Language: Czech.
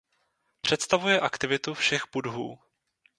Představuje aktivitu všech buddhů.